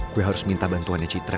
gue harus minta bantuannya citra